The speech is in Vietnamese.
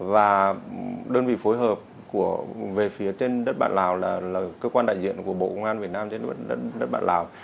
và đơn vị phối hợp về phía trên đất bạn lào là cơ quan đại diện của bộ công an việt nam trên đất bạn lào